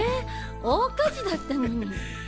大火事だったのに。